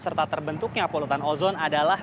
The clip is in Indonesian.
serta terbentuknya polutan ozon adalah